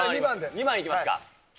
２番いきますか。